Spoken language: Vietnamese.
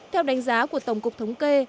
theo đánh giá của tổng cục thống kê